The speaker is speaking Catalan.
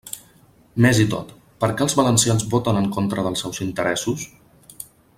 Més i tot, ¿per què els valencians voten en contra dels seus interessos?